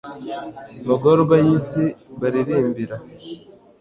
magorwa y'isi, baririmbira